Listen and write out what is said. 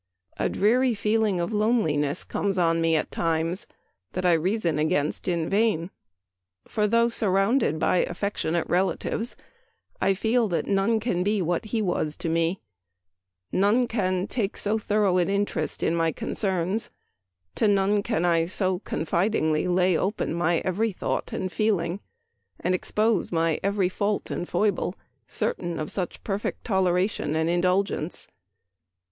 A dreary feeling of loneliness comes on me at times that I reason against in vain ; for, though surrounded by affectionate relatives, I feel that none can be what he was to me ; none can take so thorough an interest in my concerns ; to none can I so confidingly lay open my every thought and feeling, and expose my every fault and foible, certain of such per fect toleration and indulgence.